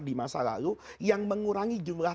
di masa lalu yang mengurangi jumlah